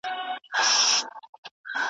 ما راپورته يو نااهله كړ د ښاره .